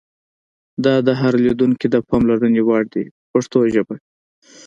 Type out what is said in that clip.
دا د هر لیدونکي د پاملرنې وړ دي په پښتو ژبه.